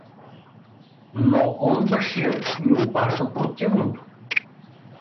— Но онбашият ми обажда противното.